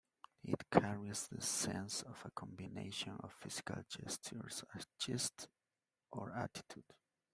It carries the sense of a combination of physical gestures and "gist" or attitude.